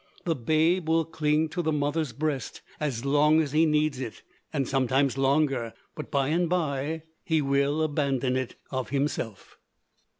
The babe will cling to the mother's breast as long as he needs it, and sometimes longer; but by and by he will abandon it of himself.